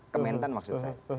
kementan maksud saya